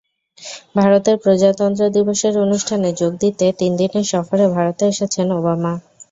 ভারতের প্রজাতন্ত্র দিবসের অনুষ্ঠানে যোগ দিতে তিন দিনের সফরে ভারতে এসেছেন ওবামা।